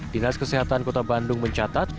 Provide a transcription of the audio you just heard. dinas kesehatan kota bandung mencatat